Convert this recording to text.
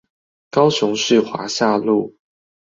高雄市華夏路